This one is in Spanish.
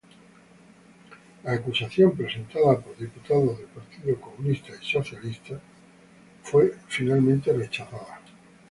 La acusación, presentada por diputados del Partido Comunista y Socialista, fue finalmente rechazada.